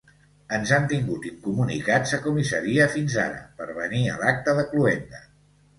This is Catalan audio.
Ens han tingut incomunicats a comissaria fins ara, per venir a l'acte de cloenda.